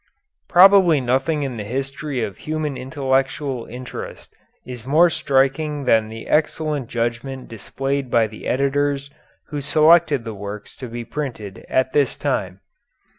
Probably nothing in the history of human intellectual interest is more striking than the excellent judgment displayed by the editors who selected the works to be printed at this time.